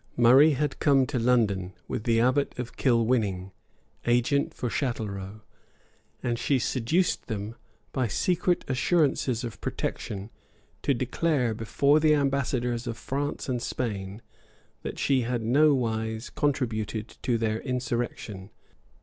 Murray had come to London, with the abbot of Kilwinning, agent for Chatelrault; and she seduced them, by secret assurances of protection, to declare before the ambassadors of France and Spain that she had nowise contributed to their insurrection.